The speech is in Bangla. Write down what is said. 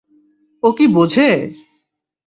ও কি বোঝে?